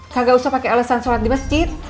kagak usah pake alesan sholat di masjid